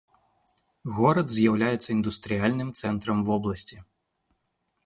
Горад з'яўляецца індустрыяльным цэнтрам вобласці.